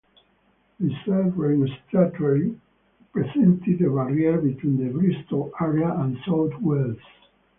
The Severn Estuary presented a barrier between the Bristol area and South Wales.